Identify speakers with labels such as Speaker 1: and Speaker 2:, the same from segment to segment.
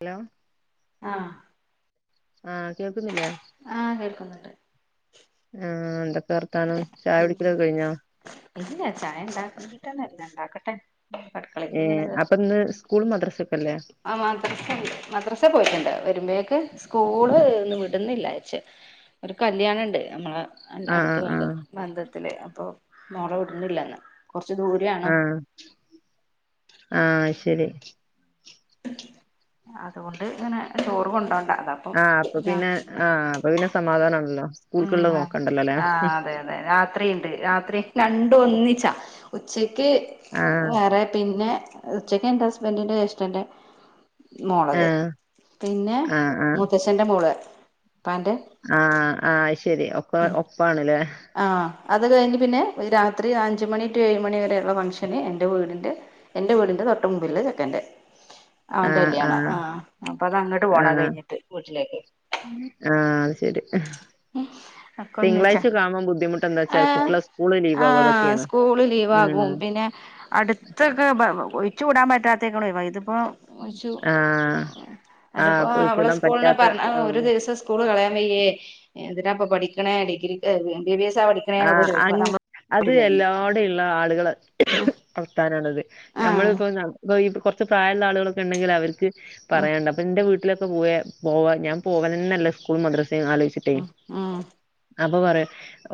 Speaker 1: Hello
Speaker 2: ആഹ്
Speaker 1: ആഹ് കേക്കുന്നില്ലേ
Speaker 2: ആഹ് കേൾക്കുന്നുണ്ട്
Speaker 1: ആഹ് എന്തൊക്കെ വർത്താനം ചായ കുടിക്കലൊക്കെ കഴിഞ്ഞോ
Speaker 2: ഇല്ല ചായ ഇണ്ടാക്കാണ്ടിട്ടാണ് ഇല്ല ഇണ്ടാക്കട്ടെ
Speaker 1: ഏഹ് അപ്പൊ ഇന്ന് സ്കൂളും മദ്രാസക്കെല്ലേ
Speaker 2: ആ മദ്രസണ്ട് മദ്രസെ പോയിട്ടുണ്ട് വരുമ്പഴേക്ക് സ്കൂള് ഇന്ന്‌ വിടുന്നില്ലായ്ച്ച് ഒരു കല്യാണണ്ട് നമ്മളെ അല്ല
Speaker 1: ആഹ്
Speaker 2: അടുത്തുണ്ട്
Speaker 1: ആഹ്
Speaker 2: ബന്ധത്തില് അപ്പൊ മോളെ വിടുന്നില്ല ഇന്ന് കൊറച്ചു ദൂരെ ആണ്
Speaker 1: ആഹ് ആഹ് ശരി
Speaker 2: അതുകൊണ്ട് ഇങ്ങനെ ചോറ് കൊണ്ടോണ്ട അതാ
Speaker 1: ആഹ് അപ്പൊ പിന്നെ ആഹ് അപ്പൊ പിന്നെ സമാധാനാണല്ലോ
Speaker 2: ഉം
Speaker 1: സ്കൂൾക്കുള്ളത്
Speaker 2: ആഹ്
Speaker 1: നോക്കണ്ടല്ലോല്ലേ
Speaker 2: അതെ അതെ രാത്രിണ്ട് രാത്രി രണ്ടും ഒന്നിച്ചാ ഉച്ചക്ക്
Speaker 1: ആഹ്
Speaker 2: വേറെ പിന്നെ ഉച്ചക്ക് എന്റെ ഹസ്ബന്റിന്റെ ജ്യേഷ്ഠന്റെ മോളത്
Speaker 1: ആഹ്
Speaker 2: പിന്നെ
Speaker 1: ആഹ് ആഹ്
Speaker 2: മൂത്തച്ചന്റെ മോള് ഉപ്പാന്റെ
Speaker 1: ആഹ് ആഹ് അയ്ശേരി ഒപ്പ ഒപ്പാണ്ല്ലേ
Speaker 2: ആഹ് അത് കഴിഞ്ഞ് പിന്നെ ഒരു രാത്രി അഞ്ച് മണി ടു ഏഴ്‌ മണി വരെയുള്ള ഫംഗ്ഷന് എന്റെ വീടിന്റെ എന്റെ വീടിന്റെ തൊട്ട് മുമ്പില് ഉള്ള ചെക്കന്റെ അവന്റെ
Speaker 1: ആഹ്
Speaker 2: കല്യാണ
Speaker 1: ആഹ്
Speaker 2: ആ അപ്പൊ അത് അങ്ങട്ട് പോണം അത്‌
Speaker 1: ആഹ്
Speaker 2: കഴിഞ്ഞിട്ട് വീട്ടിലേക്ക്
Speaker 1: ആഹ് അത് ശെരി
Speaker 2: ഒക്കെ ഒന്നിച്ചാ
Speaker 1: തിങ്കളാഴ്ച കാണോ ബുദ്ധിമു അപ്പൊന്താച്ചാൽ
Speaker 2: ആഹ്
Speaker 1: കുട്ട്യാളെ സ്കൂള് ലീവ് ആവും
Speaker 2: ആഹ്
Speaker 1: അതൊക്കെയാണ്
Speaker 2: സ്കൂള് ലീവാകും പിന്നെ അടുത്തൊക്കെ ബ ഒയിച്ചു കൂടാൻ പറ്റാത്തൊക്കെണ് ഒയിവായി ഇതിപ്പോ
Speaker 1: ആഹ്
Speaker 2: [unintelligible]
Speaker 1: ആഹ്
Speaker 2: അതിപ്പോ അവള്
Speaker 1: പോയിക്കൂടാൻ
Speaker 2: സ്കൂള്ന്ന്‌
Speaker 1: പറ്റാത്ത
Speaker 2: പറഞ്ഞ
Speaker 1: ആഹ്
Speaker 2: ഒരു ദീസം സ്കൂൾ കളയാൻ വയ്യേ എന്തിനാ ഇപ്പൊ പഠിക്ക്ണേ ഡിഗ്രി എം ബിബി എസാ പഠിക്കണേന്നൊക്കെ
Speaker 1: ആഹ് അ
Speaker 2: ചോദിക്കും
Speaker 1: അത്
Speaker 2: നമ്മള്
Speaker 1: എല്ലാടെള്ള ആളുകളെ വർത്താനാണത്
Speaker 2: ആഹ്
Speaker 1: നമ്മളിപ്പോ പ്പൊ ഈ കൊറച്ച് പ്രായ ഇള്ള ആളുകളൊക്കെ ഇണ്ടെങ്കിൽ അവർക്ക്
Speaker 2: ഉം
Speaker 1: പറയാണ്ട് അപ്പൊ ഇന്റെ വീട്ടിലൊക്കെ പോയാ പോവാ ഞാൻ പോവലെന്നല്ല സ്കൂളും മദ്രസീം ആലോചിച്ചിട്ടേ
Speaker 2: ഉം ഉം
Speaker 1: അപ്പൊ പറയാ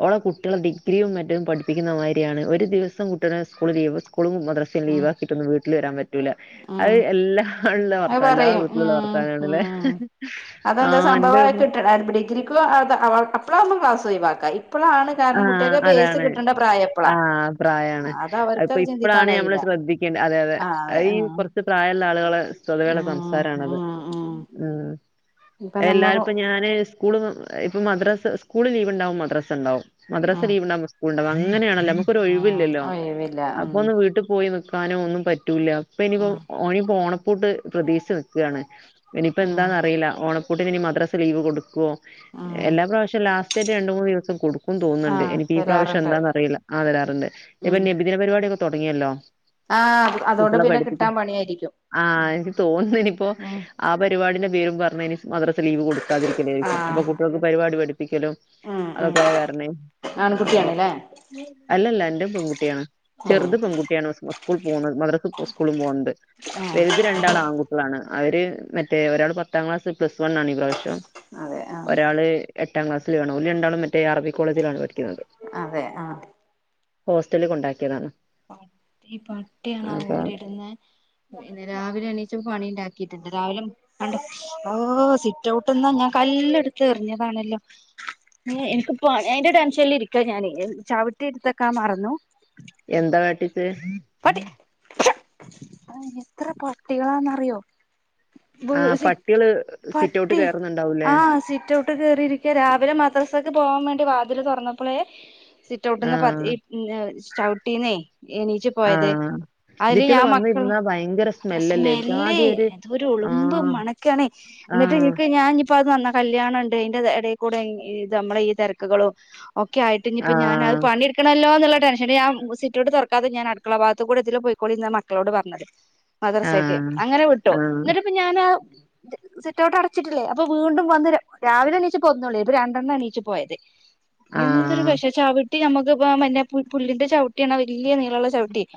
Speaker 1: ഓളെ കുട്ട്യാളെ ഡിഗ്രിയും മറ്റേം പഠിപ്പിക്കുന്നമാരി ആണ് ഒരു ദിവസം കുട്ട്യാളെ സ്കൂൾ ലീവ് സ്കൂളും മദ്രസ്സും
Speaker 2: ഉം
Speaker 1: ലീവ് ആക്കിട്ടൊന്നും വീട്ടിൽ വരാൻ പറ്റൂല അത്
Speaker 2: ഉം
Speaker 1: എല്ലാ ഇള്ള
Speaker 2: അത്
Speaker 1: വർത്താ എല്ലാ
Speaker 2: പറയും
Speaker 1: വീട്ടിലുള്ള
Speaker 2: ഉം
Speaker 1: വർത്താനാണ്ലെ
Speaker 2: ഉം
Speaker 1: ആഹ് ഇന്റെ വീട്ടിൽ
Speaker 2: [unintelligible] ഡിഗ്രി അപ്പോളാവുമ്പോ ക്ലാസ് ഒയിവാക്ക ഇപ്പോളാണ്
Speaker 1: ആഹ് അതാണ് ആഹ് ആ പ്രായാണ്
Speaker 2: അത്
Speaker 1: അതിപ്പോ
Speaker 2: അവർക്കത് ചിന്തിക്കാൻ
Speaker 1: ഇപ്പഴാണ് ഞമ്മള
Speaker 2: കഴിയില്ല
Speaker 1: ശ്രദ്ധി ക്കൽ അതെ അതെ
Speaker 2: ആഹ്
Speaker 1: അയി
Speaker 2: ആഹ്
Speaker 1: ച്ചു പ്രായള്ള ആളുകളെ സൊതവേയുള്ള
Speaker 2: ഉം
Speaker 1: സംസാരണത്.
Speaker 2: ഉം ഉം
Speaker 1: ഉം
Speaker 2: ഇപ്പൊ നമ്മള്
Speaker 1: [unintelligible] ഞാന് സ്കൂള് ഇപ്പം മദ്രാസ് സ്കൂള് ലീവ് ഇണ്ടാവുമ്പം മദ്രസ ഇണ്ടാവും. മദ്രസ
Speaker 2: ഉം
Speaker 1: ലീവ്ണ്ടാകുമ്പോ സ്കൂളുണ്ടാവും അങ്ങനെയാണല്ലോ നമുക്ക് ഒരു
Speaker 2: ഉം
Speaker 1: ഒഴിവില്ലല്ലോ,
Speaker 2: ഒഴിവില്ല ഉം
Speaker 1: അപ്പൊ ഒന്ന് വീട്ടിൽ പോയി. ക്കാനും ഒന്നും പറ്റൂലല്ലോ ഇപ്പൊ ഇനിപ്പോ
Speaker 2: ഉം
Speaker 1: ഒഴിയ് ഓണപ്പൂട്ട് പ്രതീക്ഷിച്ച് നിക്കാണ്. ഇനിയിപ്പോ
Speaker 2: ഉം
Speaker 1: എന്താന്നറിയില ഓണ പ്പൂട്ടിനു ഇനി മദ്രാസ ലീവ് കൊടുക്കോ
Speaker 2: ഉം
Speaker 1: എല്ലാ പ്രാവശ്യം ലാസ്റ്റ ആയിട്ട് രണ്ടുമൂന്ന് ദിവസം കൊടുക്ക ക്കും തോന്നുന്നുണ്ട്
Speaker 2: ആഹ്
Speaker 1: എനിക്ക് ഈ പ്രാവശ്യം
Speaker 2: തരാറുണ്ട്
Speaker 1: എന്താന്ന് അറിയില്ല ആ തരാറുണ്ട് ഇപ്പൊ
Speaker 2: ഉം
Speaker 1: നബിദിന പരിപാടി ഒക്കെ തൊടങ്ങിയല്ലോ.
Speaker 2: ആഹ് അതോണ്ട്
Speaker 1: കുട്ടിയേളെ
Speaker 2: പിന്നെ
Speaker 1: പഠിപ്പിക്ക്
Speaker 2: കിട്ടാൻ പണിയായിരിക്കും
Speaker 1: ആഹ്
Speaker 2: ഉം
Speaker 1: എനിക്ക് തോന്നി നിപ്പോ
Speaker 2: ഉം
Speaker 1: ആ പരിപാടിടെ പേരും പറഞ്ഞ മദ്റസ ലീവ് കൊടുക്കാതിരിക്കലായിരിക്കും അപ്പൊ
Speaker 2: ആഹ് ഒരു
Speaker 1: കുട്ടികൾക്ക് പരിപാടി പഠിപ്പിക്കലും
Speaker 2: ഉം ഉം
Speaker 1: അതൊക്കെയാ അ
Speaker 2: ആൺകുട്ടിയാണ്ല്ലേ
Speaker 1: അല്ലല്ല ന്റെ പെൺകുട്ടിയാണ്
Speaker 2: ഉം
Speaker 1: ചെറുത് പെൺകുട്ടിയാണ് സ്കൂൾ പോണ് മറസ്ക്ക് സ്കൂളും പോവ്ണ്ട്
Speaker 2: ആഹ്
Speaker 1: വെൽത് രണ്ടാള് ആങ്കുട്ടിയ. ളാണ് അവര് മറ്റേ ഒരാൾ പത്താം ക്ലാസ് പ്ലസ് വൺ ആണ് ഈ പ്രാശ്യം
Speaker 2: അതെ ആഹ്
Speaker 1: ഒരാള് എട്ടാം ക്ലാസ്സിൽ ആണ് ഓല് രണ്ടാളും മറ്റേ അറബി കോളേജിലാണ് പഠിക്കുന്നത്.
Speaker 2: അതെ ആഹ്
Speaker 1: ഹോസ്റ്റൽ കൊണ്ടാക്കിയതാണ്.
Speaker 2: ഈ പട്ടിയാണോ ആ
Speaker 1: അപ്പൊ
Speaker 2: ഓരിട്ന്നെ ന്നെ രാവിലെ അണീച്ച് പണി ണ്ടാക്കിട്ട്ണ്ട് രാവിലെ അണ്ടോ ഓ സിറ്റൊട്ട്ന്ന് ഞാൻ കല്ല് ഇടുത്ത് എറിഞ്ഞതാണല്ലോ എനിക്ക്പ്പോ എയ്ന്റെ ടെൻഷൻല് ഇരിക്കാ ഞാൻ ചവിട്ടി ട്ത്തൊക്കാൻ മറന്നു.
Speaker 1: എന്താ വേട്ടീത്
Speaker 2: പട്ടി എത്ര പട്ടികളാന്നറിയോ
Speaker 1: ആ പട്ടികള് സിറ്റൗട്ട്
Speaker 2: പട്ടി
Speaker 1: കയറുന്നുണ്ടാവൂലേ
Speaker 2: ആഹ് സിറ്റൊ ട്ട് കേറിയിരിക്ക രാവിലെ മദ്രസക്ക് പോവാൻ വേണ്ടി വാതിൽ തൊറന്നപ്പളേ
Speaker 1: ആ
Speaker 2: സിറ്റൗട്ടന്ന് ചവിട്ടീന്നേ എനീച്ച്
Speaker 1: ആഹ് തീറ്റെൾ വന്നിര്ന്നാ ഭയങ്കര സ്മെല്ലല്ലേ ഒരു ജാതിരി ഒര് ആഹ്
Speaker 2: ക്കണേ ന്നെട്ട് ഞാനിപ്പ അവുടുന്ന് കല്യാണണ്ട് അയ്ന്റെ എടെക്കൂടെ ഇത് മ്മളെ ഈ തെരക്കുകലും. ഓക്കെ ആയിട്ട്
Speaker 1: ആ
Speaker 2: നിപ്പോ ഞാന് അത്
Speaker 1: ആ
Speaker 2: പണിട്ക്കണല്ലോന്ന്ള്ള ടെൻഷൻല് സിറ്റോട്ട് തൊർക്കാതെ ഞൻ ക്കള ഭാഗത്ത് കൂടെ ഇതിലെ പോയിക്കോളിന്നാ മക്കളോട് പറഞ്ഞത്
Speaker 1: ആ
Speaker 2: മദ്രസേക്ക് അങ്ങനെ വിട്ടു ന്നേട്ട് ഞാനാ സിറ്റ് ഔട്ട് അടച്ചിട്ടില്ലേ അപ്പ വീണ്ടും വന്ന് രാവിലെ എണീച്ചപ്പോ ഒന്നൊ ള്ളേ ഇപ്പൊ രണ്ടെണ്ണം എണീച്ച് പോയത്
Speaker 1: ആ
Speaker 2: എന്തെരു പശേ ചവിട്ടി നമ്മുക്ക് പ്പോ മറ്റേ പുല്ലിന്റെ ചവിട്ടിയാണ് ആ വല്യ നീളല്ലെ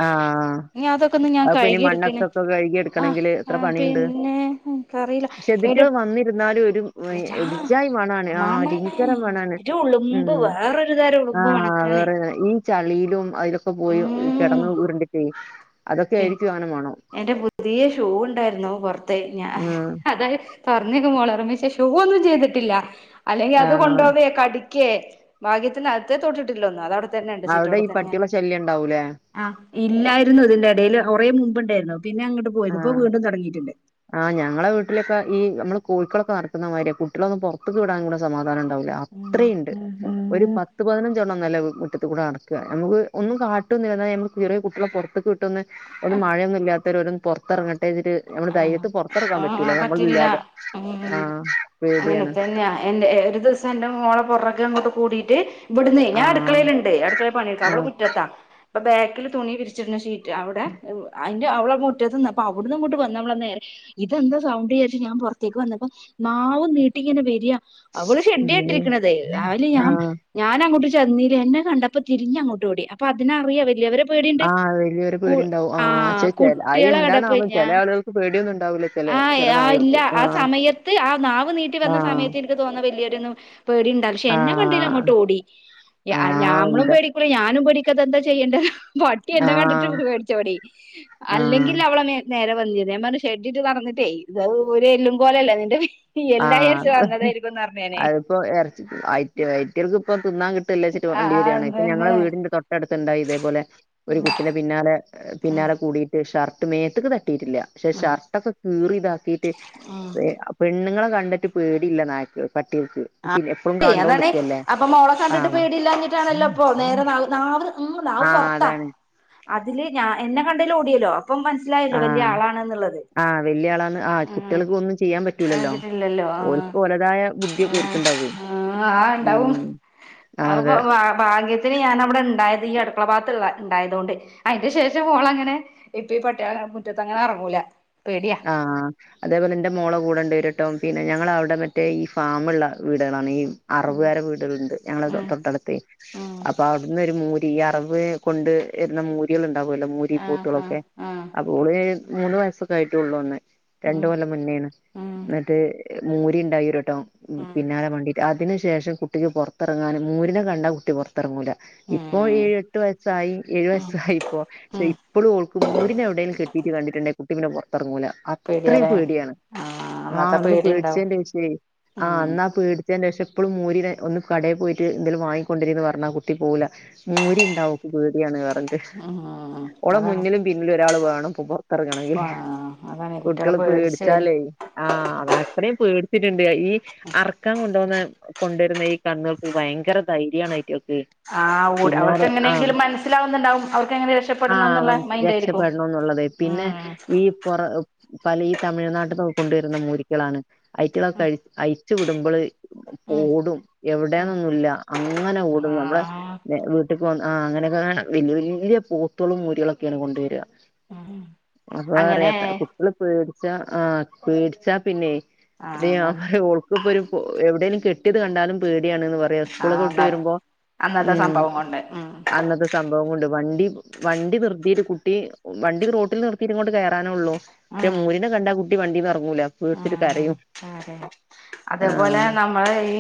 Speaker 1: ആഹ് അത്പ്നി
Speaker 2: കഴുകി എടുക്കണ്
Speaker 1: മണ്ണൊക്കെ ക്കെ കഴുകി
Speaker 2: ആഹ്
Speaker 1: എട്ക്കണെങ്കില് എത്ര
Speaker 2: ആഹ്
Speaker 1: പണിണ്ട്.
Speaker 2: പിന്നെ എനിക്കറിയില്ല
Speaker 1: ക്ഷെ തിറ്റെ
Speaker 2: എന്റെ
Speaker 1: വന്നിരുന്നാലും ഒരു
Speaker 2: പൂജാ
Speaker 1: ഒരുചായി മണാണ് ആ
Speaker 2: മണാണ്
Speaker 1: രിങ്കര മണാണ്.
Speaker 2: ഒരു ഉളുമ്പ്
Speaker 1: ഉം
Speaker 2: വേറൊരു തരം
Speaker 1: ആ
Speaker 2: ഉളുമ്പ് മണക്കാണ്
Speaker 1: വേറെ ഈ ചളിയിലും അയ്ലൊക്കെ പോയോ
Speaker 2: ഉം
Speaker 1: കെടന്ന് ഉരുണ്ടിട്ടേ അതൊക്കെ
Speaker 2: പി
Speaker 1: ആയിരിക്കും അങ്ങനെ മണം.
Speaker 2: എന്റെ പുതിയ ഷൂ ഉണ്ടായിരുന്നു പൊറത്തെ ഞാ
Speaker 1: ഉം
Speaker 2: അതായ പറഞ്ഞേക്കുമ്പോളെ ർമ്മിച്ച ഷൂ ഒന്നും ചെയ്തിട്ടില്ല അല്ലെങ്കി
Speaker 1: ആ
Speaker 2: അത് കൊണ്ടോവെ കടി ക്കെ ഭാഗ്യത്തിന്കത്തെ തൊട്ടിട്ടില്ലോന്ന് അതവ്
Speaker 1: അവ്ടെ ഈ പട്ടിയാളെ ശല്യം ഇണ്ടാവൂലേ.
Speaker 2: ആഹ് ഇല്ലായിരുന്നു ഇതിന്റെ എടേല് കൊറേ മുമ്പ്ണ്ടേരുന്നു പിന്നെ അങ്ങട്ട് പോയത് ഇപ്പൊ വീണ്ടും തൊടങ്ങീട്ട്ണ്ട്
Speaker 1: ആഹ് ഞങ്ങളെ വീട്ട്ലെക്കെ ഈ ഞമ്മളെ കോഴ്കളൊക്കെ നടക്ക്ന്നമാതിരിയാ കുട്ട്യെളൊന്നും പൊറത്ത്ക്ക് വിടാൻ കൂടെ സമാധാനം ഇണ്ടാവൂല്ലാ
Speaker 2: ഉം
Speaker 1: അത്രിണ്ട്
Speaker 2: ഉം
Speaker 1: ഒരു
Speaker 2: ഉം
Speaker 1: പത്ത് പതിനഞ്ചെണ്ണം ഒന്നുല്ല മുറ്റത്ത് കൂടെ നടക്കാ ഞമ്മക്ക് ഒന്നും കാട്ടൊന്നില്ല എന്നാല് ഞമ്മക്ക് ചെറിയെ കുട്ടിയളെ പൊറത്ത്ക്ക് വി ട്ടൊന്ന് ഒന്ന് മഴയൊന്നും ഇല്ലാത്തേരം ഓരൊന്ന് പൊറത്തറങ്ങട്ടേന്നെച്ച്ട്ട് ഞമ്മള്
Speaker 2: ആഹ്
Speaker 1: ധൈര്യത്ത് പൊറത്തറങ്ങാൻ
Speaker 2: ആഹ്
Speaker 1: പറ്റൂല ഞമ്മള്
Speaker 2: പറ്റില്ല
Speaker 1: ഇല്ലാതെ
Speaker 2: ഉം
Speaker 1: ആഹ്
Speaker 2: അങ്ങനെ
Speaker 1: പേടിയാണ്
Speaker 2: തന്നെയാ എന്റെ ഒരു ദിവസം എന്റെ മോളെ പൊറക്കെ അങ്ങോട്ട് കൂടിയിട്ട് ഇവട്ന്നെ ഞാൻ
Speaker 1: ആഹ്
Speaker 2: അട്ക്കളേല്ണ്ട് അട്ക്കളേ പണിയെട്ക്കാ അവള്
Speaker 1: ആഹ്
Speaker 2: മുറ്റത്താ ഇപ്പൊ ബാക്കില് തുണി വിരിച്ചിട്ന്ന ഷീറ്റ് അവടെ അവ് അയ്ന്റെ അവടെ മുറ്റത്ത് നിന്നപ്പൊ അവട്ന്ന് ഇങ്ങോട്ട് വ ഞമ്മളെ നേരെ ഇതെന്താ സൗണ്ട് യാര്ച്ച് ഞാൻ പൊറത്തേക്ക് വന്നപ്പം നാവും നീട്ടി ഇങ്ങനെ വെര്യാ അവള് ഷെഡിയാ
Speaker 1: ഉം
Speaker 2: ഇട്ടിരിക്ക്ണത് അയില് ഞാൻ
Speaker 1: ആഹ്
Speaker 2: ഞാനങ്ങോട്ട് ചെന്നീല്ലെ എന്നെ കണ്ടപ്പോ തിരിഞ്ഞങ്ങോട്ടോടി അപ്പൊ അതിനറിയാ വല്ലിയവര്
Speaker 1: ആഹ് വെല്ല്യോരെ പേടിണ്ടാവും ആഹ് ചെ ചെല അയി
Speaker 2: കുട്ടികളെ
Speaker 1: എന്താണാവോ ചെലെ ആള്കൾക്ക് പേടിയൊന്നും ഇണ്ടാവൂല്ല
Speaker 2: ആയെ ആഹ് ഇല്ല ആ സമയത്ത് ആ നാവ് നീട്ടി വന്ന
Speaker 1: ആഹ്
Speaker 2: സമയത്ത് ഇന് ക്ക് തോന്ന വെല്ല്യോരൊന്നും പേടിണ്ടാവുല്ല പക്ഷേ എന്നെ കണ്ടേല്
Speaker 1: ആഹ്
Speaker 2: അങ്ങോട്ടോടി യാ ആഹ് ഞമ്മളും പേടി ക്കുറി ഞാനും പേടിക്കാ ഇതെന്താ ചെയ്യണ്ടേ പ ട്ടി എന്നെ
Speaker 1: ആഹ്
Speaker 2: കണ്ടിട്ടു പേടിച്ചോടി അല്ലെങ്കി
Speaker 1: ആഹ്
Speaker 2: അവളെ നേ നേരെ വന്നെര്ന്ന് ഞാൻ പർഞ്ഞ് ഷെ ഡിട്ട് നടന്നിട്ടേ ഇത് അവ് ഒരു എല്ലും കോലല്ലേ നിന്റെ എല്ലാ യാര്ച്ചു വന്നതായിരിക്കും ന്നർഞ്ഞ് ഞാനെ
Speaker 1: ഇപ്പോ എർച്ച് അയ്റ്റ് അയ്റ്റള്ക്ക്പ്പോ തിന്നാൻ കി ട്ടല്ലേച്ചിട്ട്
Speaker 2: ആഹ്
Speaker 1: മണ്ടി
Speaker 2: ആഹ്
Speaker 1: വര്യാണെ ഇപ്പ
Speaker 2: പിന്നെ
Speaker 1: ഞങ്ങളെ വീടിന്റെ തൊട്ടട്ത്ത് ഇണ്ടായി ഇതേ പോലെ ഒരു കുട്ടിനെ പിന്നാലെ പിന്നാലെ കൂടിയിട്ട് ഷർട്ട് മേത്തക്ക് തട്ടിയിട്ടില്ല പക്ഷേ ഷർട്ടെക്കെ കീറി ഇതാക്കിയി ട്ടി ഏഹ് ആഹ് പെണ്ണ്ങ്ങളെ കണ്ടിട്ട് പേടില്ലാ നായക്കൾ പട്ടികൾക്ക് പിന്നെ എപ്പഴും
Speaker 2: ആഹ് അതാണെ
Speaker 1: കണ്ടോണ്ടിക്കല്ലേ
Speaker 2: അപ്പം മോള കണ്ടിട്ട്
Speaker 1: ആഹ്
Speaker 2: പേടിയില്ലാഞ്ഞിട്ടാണല്ലോ അപ്പൊ നേരെ നാവ് നാവ് ഉം നാവ്
Speaker 1: ആഹ്
Speaker 2: പൊറ്ത്താ
Speaker 1: അതാണ്
Speaker 2: അതില് ഞാൻ എന്നെ കണ്ടേല് ഓടിയല്ലോ അപ്പം മ ന്സ്സിലായല്ലോ വല്ല്യ
Speaker 1: ആഹ്
Speaker 2: ആളാണ്ന്ന്ള്ളത്
Speaker 1: ആഹ് വല്യ ആളാന്ന് ആഹ്
Speaker 2: ഉം
Speaker 1: കുട്ടികൾക്ക് ഒന്നും
Speaker 2: ആഹ് വിട്ല്ലല്ലോ ആഹ്
Speaker 1: തായാ [unintelligible]
Speaker 2: ആഹ് ആഹ് ഇണ്ടാവും അപ്പൊ
Speaker 1: അതെ
Speaker 2: വാ ഭാഗ്യ ത്തിന് ഞാൻ അവടെ ഇണ്ടായത് ഈ അട്ക്കള ഭാഗത്ത്ള്ളെ ഇണ്ടായതോണ്ട് അയിന്റെ ശേഷം ഓളങ്ങനെ ഇപ്പ ഈ പട്ടിയള ആഹ് മുറ്റത്തങ്ങനെ എറങ്ങൂല പേടിയാ
Speaker 1: ആഹ് അതേ പോലെ ഇന്റെ മോള കൂടെണ്ടേരട്ടം പിന്നെ ഞങ്ങള അവടെ മറ്റേ ഈ ഫാമ്ള്ള വീട്കളാണ് ഈ അറവ്വാരെ വീടള്ണ്ട് ഞങ്ങളെ തൊ
Speaker 2: ഉം
Speaker 1: തൊട്ടട്ത്തെ
Speaker 2: ഉം
Speaker 1: അപ്പൊ അവട്ന്ന് ഒരു മൂരി ഈ അറവ് കൊണ്ട് വെര്ന മൂ ട്ടിയള് ഇണ്ടാവല്ലോ മൂരി
Speaker 2: ആ ആ
Speaker 1: പോത്തളൊക്കെ
Speaker 2: ആ
Speaker 1: അപ്പോ ഓള് മൂന്ന് വയസ്സൊക്കായിട്ടോള്ളു അന്ന് രണ്ട്
Speaker 2: ഉം
Speaker 1: കൊല്ലം മുന്നേണ്
Speaker 2: ഉം
Speaker 1: ഇന്ന്ട്ട് മൂരി ഇണ്ടായി ഒരു വട്ടം ഉം പിന്നാലെ മണ്ടി അതിന് ശേഷം കുട്ടിക്ക് പൊറത്തറങ്ങാന് മൂരിനെ കണ്ടാ കുട്ടി പൊറ് ത്തറങ്ങൂല്ല ഇപ്പോ
Speaker 2: ഉം
Speaker 1: ഏഴ്, എട്ട് വയസ്സായി ഏഴു
Speaker 2: ഉം
Speaker 1: വയസ്സായി ഇപ്പോ പക്ഷേ
Speaker 2: ഉം
Speaker 1: ഇപ്പളും ഓള്ക്ക് മൂരിനെ എവിടേലും കെട്ടീട്ട് കണ്ടിട്ട്ണ്ടേ കുട്ടി പിന്നെ പൊറത്തറങ്ങൂല്ല അത്രിം
Speaker 2: പേടിയാലേ
Speaker 1: പേടിയാണ്
Speaker 2: ആ
Speaker 1: ആഹ്
Speaker 2: അന്നത്തെ
Speaker 1: അന്ന്
Speaker 2: പേടി ഉണ്ടാവും
Speaker 1: പേടിച്ചേന്റേഷെ ആഹ്
Speaker 2: ഉം
Speaker 1: അന്നാ പേടി ച്ചേന്റേഷം ഇപ്പളും മൂരിനെ ഒന്ന് കടേ പോയിട്ട് എന്തേലും വാങ്ങിക്കൊണ്ടിരേന്ന് പറഞ്ഞാ കുട്ടി പോവൂല്ല മൂരിയിണ്ടാവും ഓള്ക്ക് പേടിയാണ് പറഞ്ഞിട്ട്
Speaker 2: ഉം
Speaker 1: ഓളെ
Speaker 2: അതാണ്
Speaker 1: മുന്നില് പിന്നില് ഒരാള് വാണം പോവുമ്പോ പൊറത്തറങ്ങണങ്കിൽ
Speaker 2: ആ അതാണ് കുട്ടികളെ
Speaker 1: കുട്ടിയള്
Speaker 2: പേടിച്ച്
Speaker 1: പേട്ച്ചാലേ ആഹ് അതാ അത്രേം പേട്ച്ചിട്ട്ണ്ട് ഈ അറക്കാൻ കൊണ്ടോന്നെ കൊണ്ടേര്ന്നെ ഈ കന്ന്കൾക്ക് ഭയങ്കര ധൈര്യാണ് അയിറ്റള്ക്കെ
Speaker 2: ആഹ് ഓട് അവര്ക്ക് എങ്ങനെയെങ്കിലും മനസ്സിലാവ്ന്ന്ണ്ടാവും അവര്ക്കെങ്ങനെ രക്ഷപ്പെടണെന്ന്ള്ളെ മൈൻഡായിരിക്കും
Speaker 1: ന്ന് ഒള്ളതെ. പിന്നെ ഈ പുറ പല ഈ തമിഴ്നാട്ടിന്നൊക്ക കൊണ്ടുവരുന്ന മൂരികളാണ്
Speaker 2: ഉം
Speaker 1: ഐറ്റളൊക്കെഴിച്ചഐ ച്ച് വിടുമ്പള്
Speaker 2: ഉം
Speaker 1: ഓടും
Speaker 2: ഉം
Speaker 1: എവിടെയാന്നൊന്നുംല്ല അങ്ങനെ ഓടും ഞമ്മളെ
Speaker 2: ആ
Speaker 1: വീട്ടേക്ക് ആ അങ്ങനെക്കെ വല്യ വല്യ പോത്തുകളും മുരികളൊക്കെണ് കൊണ്ടുവരിക.
Speaker 2: ഉം
Speaker 1: അപ്പൊ പറയ
Speaker 2: അങ്ങനെ
Speaker 1: അവള് പേടിച്ച ആ പേടിച്ചാ പിന്നെ
Speaker 2: ആ അതാണ്
Speaker 1: ഇപ്പോഒരു എവിടേലും കെട്ടിയത് കണ്ടാലും പേടിയാണ്ന്ന് പറയാ.
Speaker 2: ആ
Speaker 1: സ്കുളൊക്കെ വിട്ട് വരുമ്പോ
Speaker 2: അന്നത്തെ
Speaker 1: ഉം
Speaker 2: സംഭവം കൊണ്ട് ഉം
Speaker 1: അന്നത് സംഭവം കൊണ്ട് വണ്ടി, വണ്ടി നിർത്തിട്ട് കുട്ടി വണ്ടി റോട്ടിൽ നിർത്തിയിറ്റ്ഇങ്ങോട്ട് കേറാനേ ഉള്ളൂ. പക്ഷെ
Speaker 2: ഉം
Speaker 1: മൂരിനെ കണ്ടാ കുട്ടി വണ്ടീന്ന് എറങ്ങൂല പേടിച്ചിട്ട്
Speaker 2: ആഹ്
Speaker 1: കരയും ആഹ്
Speaker 2: നമ്മ ഈ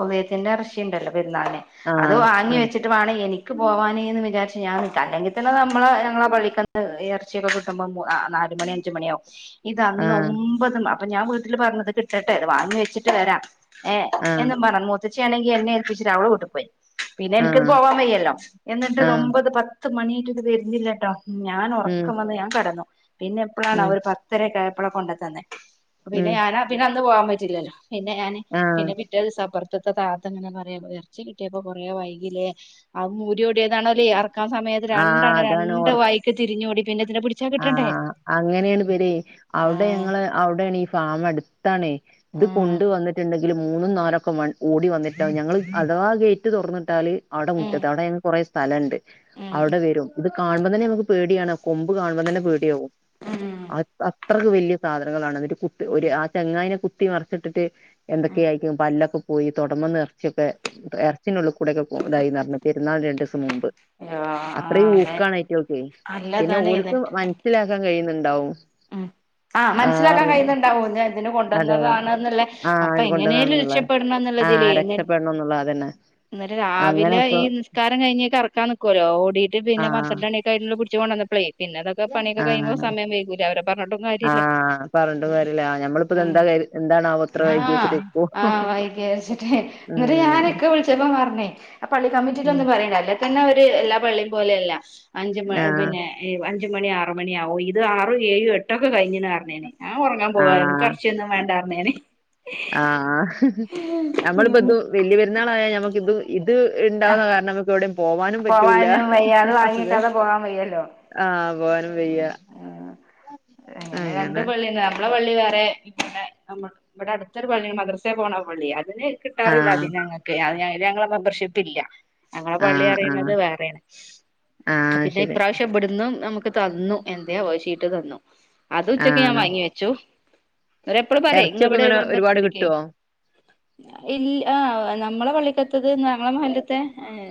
Speaker 2: ഉള്ഹിയത്തിന്റെ എറച്ചിണ്ടല്ലോ പെരുന്നാളിനെ അത്
Speaker 1: ആഹ്
Speaker 2: വാങ്ങി
Speaker 1: ആഹ്
Speaker 2: വെച്ചി റ്റുവാണേ എനിക്ക് പോവാന് ന്ന് വിചാരിച്ച് ഞാൻ നിക്ക അല്ലെങ്കി തന്നെ നമ്മളെ ഞങ്ങളെ പള്ളിക്കന്ന് എറച്ചിയക്കെ കിട്ടുമ്പോ നാല് മണി അഞ്ച് മണിയാവും ഇതന്ന് ഒ അപ്പൊ ഞാൻ വീട്ടില് പറഞ്ഞത് ത് കിട്ടട്ടെ വാങ്ങി വെച്ചിട്ട് വരാംഏ
Speaker 1: ആഹ്
Speaker 2: എന്നും പറ മു ച്ചിയാണെങ്കി എന്നെ ഏൽപ്പിച്ച് അവള് വീട്ട്പോയി പിന്നെ എനിക്ക്ത്
Speaker 1: ആഹ്
Speaker 2: പോവാൻ വയ്യല്ലോ. എന്നിട്ട്
Speaker 1: ആഹ്
Speaker 2: ഇത്
Speaker 1: ആഹ്
Speaker 2: ഒമ്പത് പത്ത് മണിയാട്ടും ഇത് വരുന്നില്ലട്ടോ ഞാൻ
Speaker 1: ഉം
Speaker 2: ഒറക്കം വന്ന് ഞാൻ കെടന്നു. പിന്നെ എപ്പോളാണ്
Speaker 1: ഉം
Speaker 2: അവര് പത്തരക്കെ ആയപ്പളാ കൊണ്ട്തന്നെ. പിന്നെ
Speaker 1: ഉം
Speaker 2: ഞാനാ പിന്നെ അന്ന് പോകാൻ പറ്റില്ലല്ലോ പിന്നെ ഞാന്
Speaker 1: ആഹ്
Speaker 2: പിന്നെ പിറ്റേ ദിവസപ്പറ മുറ്റത്തെ താത്തങ്ങനെ പറയാ എറച്ചി കിട്ടിയപ്പോ കുറേ വൈകിലേ ആ മൂരിയോടിയതാണല്ലെ. ക്കാ സമയത്ത്
Speaker 1: ആഹ്
Speaker 2: രണ്ടണ്ണം രണ്ട് വൈക്ക് തിരിഞ്ഞോടി പിന്നെതിനെ പിടി
Speaker 1: ആ അങ്ങനെണ് ഇവരെ അവിടെ
Speaker 2: ആഹ്
Speaker 1: ഞങ്ങള് അവിടെണ് ഈ ഫാമടുത്ത് ത്താണേ ഇത്
Speaker 2: ആഹ്
Speaker 1: കൊണ്ട് വന്നിട്ടുണ്ട്. ങ്കില് മൂന്നും നാലൊക്കെ ഓടി വന്നിട്ടാ ഞങ്ങള് അഥവാ ഗേറ്റ് തൊറന്നിട്ടാല് അവിടെ
Speaker 2: ഉം
Speaker 1: മുറ്റത്ത് അവിടെ ഞങ്ങക്ക്‌ കുറെ സ്ഥലൊണ്ട്. അവെടെ
Speaker 2: ഉം
Speaker 1: വെരും. ഇത് കാണുമ്പം തന്നെ ഞമ്മക്ക് പേടിയാണ്. കൊമ്പ് കാണുമ്പോ തന്നെ പേടിയാവും.
Speaker 2: ഉം
Speaker 1: അ അത്രയ്ക്ക് വെല്യാ സാധനങ്ങളാണ്. ഒരു കു ഒരു ആ ചെങ്ങായനേ കുത്തി. കുത്തി മറിച്ചിട്ടിട്ട്
Speaker 2: ഉം
Speaker 1: എന്തൊക്കെയെ ആയിരിക്കും. പല്ലൊക്കെ പോയി. തൊടമ്മെന്ന് നെറച്ചിയൊക്കെ. എർ ച്ചിനുള്ളേ കൂടെക്കെ ഇതായിന്ന് പറഞ്ഞു. പെരുന്നാള് രണ്ട്സ് സം മുമ്പ്.
Speaker 2: യോ
Speaker 1: അത്രയും
Speaker 2: ആഹ് അതെ
Speaker 1: ഊക്കാണ് ഏറ്റവെക്ക്. പിന്നെ
Speaker 2: നല്ലതാണ്
Speaker 1: ഓൽ
Speaker 2: എന്നിട്ട്
Speaker 1: മനസ്സിലാക്കാൻ കഴിയുന്നുണ്ടാവും.
Speaker 2: ഉം ആ
Speaker 1: ആഹ്
Speaker 2: മനസ്സിലാക്കാൻ
Speaker 1: അറിയുന്നു
Speaker 2: കഴിയുന്നുണ്ടാവുന്നേ. അതിന് കൊഴ
Speaker 1: അതെ അതെ
Speaker 2: ക്കെന്നതാണ്ന്നോള്ളേ. അപ്പ
Speaker 1: ആഹ്
Speaker 2: എങ്ങനെലും
Speaker 1: കൊണ്ടുവന്നാണെന്നുള്ള
Speaker 2: രക്ഷപ്പെടണ എന്നുള്ള
Speaker 1: ആഹ്
Speaker 2: ഇതിലെ.
Speaker 1: രക്ഷപ്പെടണം എന്നുള്ള അതന്നെ
Speaker 2: അന്നേരം
Speaker 1: അങ്ങനെ
Speaker 2: രാവിലെ
Speaker 1: ഇപ്പൊ
Speaker 2: ഈ നിസ്കാരം കഴിഞ്ഞ്, കറക്കാൻ നിക്കുവേല്ലോ. ഓടിയിട്ട് പിന്നെ
Speaker 1: ആഹ്
Speaker 2: പന്ത്രണ്ട് മണി കയ്ലിരുന്ന് പിടിച്ചോണ്ട് വന്നപ്പെളേ. പിന്നെ അതൊക്കെ പണിക്കെ കഴിയുമ്പോ
Speaker 1: ആഹ്
Speaker 2: സമയം വൈകുലേ അവെരെ പറഞ്ഞിട്ടും കാര്യല്ല.
Speaker 1: ആഹ് പറഞ്ഞിട്ട്
Speaker 2: ഉം
Speaker 1: കാര്യല്ല ഞമ്മളിപ്പോ ഇത്
Speaker 2: ഉം
Speaker 1: എന്താ കരു എന്താണാവോ ഇത്ര വൈകി
Speaker 2: ആഹ്.
Speaker 1: വെച്ചിട്ട് ഇപ്പോ
Speaker 2: ആഹ് വൈകിയ വെച്ചിട്ട്. ഇവെര്
Speaker 1: ഉം
Speaker 2: ഞാനെക്കെ വിളിച്ചപ്പ പറഞ്ഞ്. പള്ളി കമ്മിറ്റിക്കൊന്നും വരേണ്ടാഅല്ലേ പ്പ തന്നെയൊരു എല്ലാ പള്ളിയും പോലെല്ല അഞ്ച് മ
Speaker 1: ആഹ്
Speaker 2: പിന്നെ ഏഹ്, അഞ്ച്മണി, ആറ് മണിയാവും. ഇത് ആറു, ഏഴും, എട്ടൊക്കെ കഴിഞ്ഞു. ന് പറഞ്ഞെനി ആ ഞാ ഒറങ്ങാ പോവാ. എന്ക്കെറച്ചിയൊന്നും വേണ്ടാറെഞെനി.
Speaker 1: ആഹ് ആഹ്. ഞമ്മളിപ്പോ ഇത് വെല്യ പെരുന്നാളായാ ഞമ്മക്കി ഇത് ഇത് ഇണ്ടാവുന്ന
Speaker 2: ആഹ്
Speaker 1: കാരണം നമുക്ക് എവിടെയും പോവാനും പറ്റു
Speaker 2: പോവാനും വയ്യ. അത് വാങ്ങി വെക്കാതെ പോവാൻ വയ്യല്ലോ.
Speaker 1: ആഹ് പോവാനും വയ്യാ.
Speaker 2: ആഹ് രണ്ട്
Speaker 1: അങ്ങനെ.
Speaker 2: പള്ളിണ്ട് നമ്മളെ പള്ളിവേറെ പിന്നെ ഇവെടെ അടുത്തൊരു പള്ളി മദ്രസെ പോണ പള്ളി അതിനേ കി ട്ടാറില്ല അതി
Speaker 1: ആഹ്
Speaker 2: ഞങ്ങക്ക്. ഞങ്ങളെ മെമ്പർഷിപ്പില്ല. ഞങ്ങളെ പള്ളി
Speaker 1: ആഹ് ആഹ്
Speaker 2: പറിണത് വേറേണ്.
Speaker 1: ആഹ്
Speaker 2: പിന്നെ
Speaker 1: ശരി
Speaker 2: ഇപ്രാവശ്യം ഇബെട്ന്ന് നമു ക്ക് തന്നു എന്തേവോ ഒര് ശീട്ട് തന്നു അത് ഉച്ചെക്ക് ഞാൻ
Speaker 1: ആഹ്
Speaker 2: വാങ്ങി വെച്ചു. അവെരെപ്പള് പറയേ
Speaker 1: ഇറച്ചിയൊക്കെ
Speaker 2: നിങ്ങളിവെടെ ഒരു
Speaker 1: ഇങ്ങനെ ഒരുപാട്
Speaker 2: മെമ്പർഷിപ്പെടുക്കി
Speaker 1: കിട്ടുവോ
Speaker 2: ഇൽ, ആഹ് നമ്മെളെ പള്ളിക്കത്തേത് ഞങ്ങെളെ മഹല്ല്ത്തെ.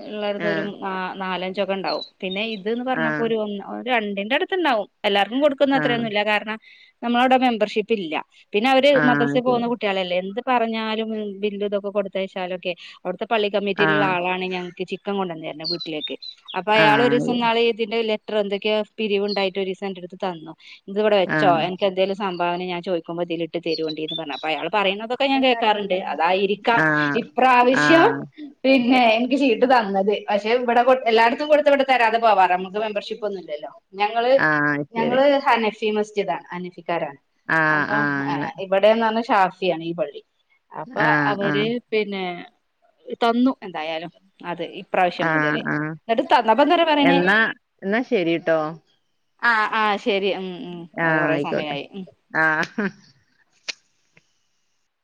Speaker 2: ഉള്ളരതൊരു
Speaker 1: ആഹ്
Speaker 2: ന നാലഞ്ചൊക്കെ ഒണ്ടാവും. പിന്നെ ഇതിന്ന്
Speaker 1: ആഹ്
Speaker 2: പറഞ്ഞപ്പോ ഒരു ഒന്ന് രണ്ടിന്റെ അടുത്തൊണ്ടാവും. എല്ലാർക്കും കൊടുക്കുന്ന
Speaker 1: ആഹ്
Speaker 2: അത്രയൊന്നുല്ല. കാരണം നമ്മെളവിടെ മെമ്പർഷിപ്പ് ഇല്ല. പിന്നെ അവെര്
Speaker 1: ആഹ്
Speaker 2: മദ്രാസേ പോകുന്ന
Speaker 1: ശരി
Speaker 2: കുട്ടിയാളല്ലേ എന്ത് പറഞ്ഞാലും ബില്ലുഇതൊക്കെ കൊടുത്തച്ചാലൊക്കെ അവിടുത്തെ പള്ളികമ്മിറ്റിലുള്ള
Speaker 1: ആഹ്
Speaker 2: ആളാണ് ഞങ്ങെക്ക് ചിക്കൻ കൊണ്ടേന്ന് തെര് പിന്നെ വീട്ടിലേക്ക്. അപ്പൊ അയാള്
Speaker 1: ആഹ്
Speaker 2: ഒരീസം നാളെ ഇതിന്റെ ലെറ്ററ് എന്ത് ക്കെ പിരിവുണ്ടായിട്ട് ഒരിസ എന്റെടുത്ത് തന്നു. ഇത് ഇവെടെ വെച്ചോ
Speaker 1: ആഹ്
Speaker 2: എൻക്ക് എന്തേലു സംഭാവന ഞാൻ ചോയിക്കുമ്പോ ഇതിലിട്ട് തരുണ്ടിന്ന് പറഞ്ഞു. അപ്പ അയാള് പറയ്ണത് ക്കെ ഞാൻ കേക്കാറ്ണ്ട് അതായിരിക്കാം
Speaker 1: ആഹ്
Speaker 2: ഇപ്രാവശ്യം
Speaker 1: ആഹ്
Speaker 2: പിന്നെ എൻക്ക് ശീട്ട് തന്നെത്. പക്ഷെ ഇവെടെ എല്ലായിടത്തും കൊട്ത്ത്, ഇവിടെ തരാതെ പോവാറ നമുക്ക് മെമ്പർഷിപ്പ് ഒന്നും ഇല്ലല്ലോ. ഞങ്ങെള്,
Speaker 1: ആഹ് ശരി
Speaker 2: ഞങ്ങെള് ഹനഫി മസ്ജിദാണ് ഹനഫിക്കാരാണ്
Speaker 1: ആഹ്
Speaker 2: അപ്പ
Speaker 1: ആഹ് അങ്ങനെ
Speaker 2: ഏഹ് ഇബടെന്ന് പർഞ്ഞ ഷാഫിയാണ് ഈ പള്ളി അപ്പ
Speaker 1: ആഹ്
Speaker 2: അവെര്
Speaker 1: ആഹ്
Speaker 2: പിന്നെ തന്നു എന്തായാലും അതെ ഈ പ്രാവശ്യം
Speaker 1: ആഹ്
Speaker 2: മുതല് ന്നട്ട് തന്നപ്പന്തേര് പറയ്ണേ.
Speaker 1: ഇന്നാ ശരിട്ടോ.
Speaker 2: ആഹ് ആഹ് ശെരി ഉം ഉം
Speaker 1: ആഹ്
Speaker 2: കൊറേ
Speaker 1: ആയിക്കോട്ടെ
Speaker 2: സമയായി ഉം
Speaker 1: ആഹ്